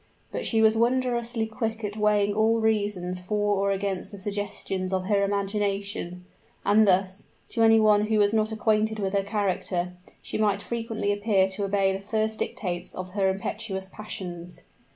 But she was wondrously quick at weighing all reasons for or against the suggestions of her imagination; and thus, to any one who was not acquainted with her character, she might frequently appear to obey the first dictates of her impetuous passions.